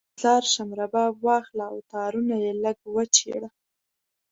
ځار شم، رباب واخله او تارونه یې لږ وچیړه